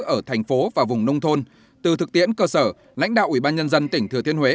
ở thành phố và vùng nông thôn từ thực tiễn cơ sở lãnh đạo ủy ban nhân dân tỉnh thừa thiên huế